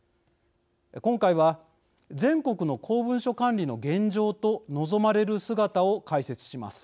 今回は全国の公文書管理の現状と望まれる姿を解説します。